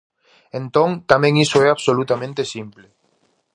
Entón, tamén iso é absolutamente simple.